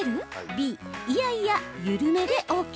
Ｂ・いやいや、緩めでＯＫ？